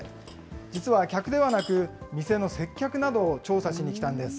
実は客ではなく、店の接客などを調査しにきたんです。